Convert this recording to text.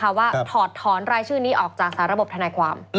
ว่าถอดถอนรายชื่อนี้ออกจากสาระบบทนายความ